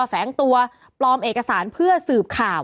แฝงตัวปลอมเอกสารเพื่อสืบข่าว